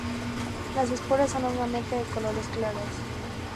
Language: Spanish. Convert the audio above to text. Las esporas son normalmente de colores claros.